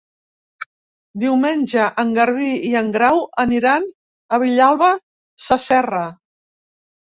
Diumenge en Garbí i en Grau aniran a Vilalba Sasserra.